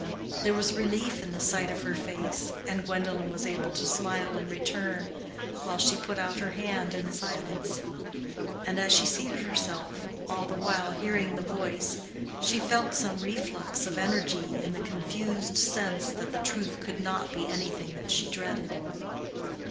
There was relief in the sight of her face, and Gwendolen was able to smile in return, while she put out her hand in silence; and as she seated herself, all the while hearing the voice, she felt some reflux of energy in the confused sense that the truth could not be anything that she dreaded.